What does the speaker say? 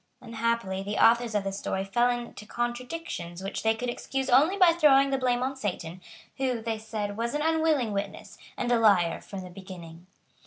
Unhappily, the authors of this story fell into contradictions which they could excuse only by throwing the blame on Satan, who, they said, was an unwilling witness, and a liar from the beginning.